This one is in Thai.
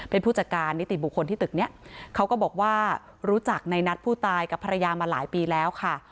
เป็นผู้จัดการนิติบุคคลที่ตึกนี้เขาก็บอกว่ารู้จักในนัดผู้ตายกับภรรยามาหลายปีแล้วค่ะ